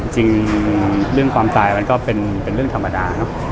จริงเรื่องความตายมันก็เป็นเรื่องธรรมดาเนอะ